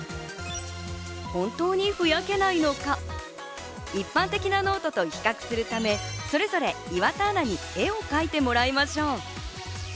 本当にふやけないのか、一般的なノートと比較するため、それぞれ岩田アナに絵を描いてもらいましょう。